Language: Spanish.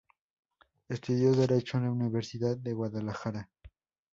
Estudió derecho en la Universidad de Guadalajara.